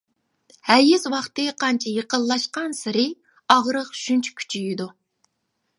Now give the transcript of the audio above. ھەيز ۋاقتى قانچە يېقىنلاشقانسېرى، ئاغرىق شۇنچە كۈچىيىدۇ.